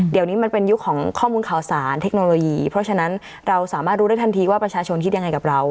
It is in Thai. เดี๋ยวนี้มันเป็นยุคของข้อมูลข่าวสารเทคโนโลยีเพราะฉะนั้นเราสามารถรู้ได้ทันทีว่าประชาชนคิดยังไงกับเรา